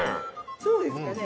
そうですかね？